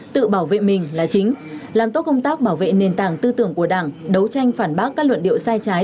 tự bảo vệ mình là chính làm tốt công tác bảo vệ nền tảng tư tưởng của đảng đấu tranh phản bác các luận điệu sai trái